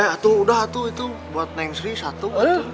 eh itu udah itu buat neng sri satu